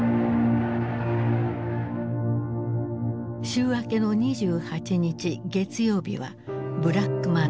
週明けの２８日月曜日はブラックマンデー。